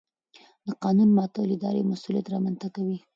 د قانون ماتول اداري مسؤلیت رامنځته کوي.